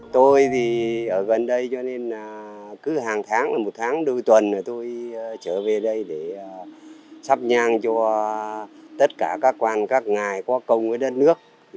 tôi thì ở gần đây cho nên là cứ hàng tháng là một tháng đôi tuần tôi trở về đây để sắp nhang cho tất cả các quan các ngài có công với đất nước